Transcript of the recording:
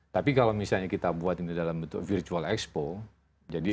tapi kalau misalnya kita buat ini dalam bentuk virtual expo